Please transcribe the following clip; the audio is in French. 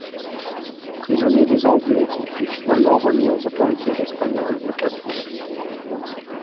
Prisonnier des Anglais, il fut finalement remis aux autorités espagnoles de Cadix.